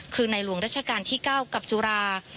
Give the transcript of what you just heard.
คือในหลวงรัชกาลที่๙กับจุฬา